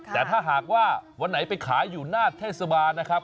แต่ถ้าหากว่าวันไหนไปขายอยู่หน้าเทศบาลนะครับ